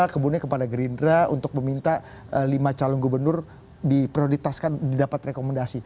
kemudian kepada gerindra untuk meminta lima calon gubernur diprioritaskan didapat rekomendasi